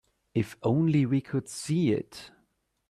If only we could see it.